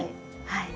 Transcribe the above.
はい。